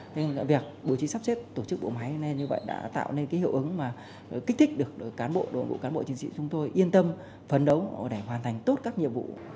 vì vậy bố trí sắp xếp tổ chức bộ máy như vậy đã tạo nên cái hiệu ứng mà kích thích được đối với cán bộ đối với cán bộ chiến sĩ chúng tôi yên tâm phấn đấu để hoàn thành tốt các nhiệm vụ